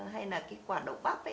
hay là quả đậu bắp ấy